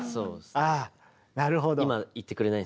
ああなるほど。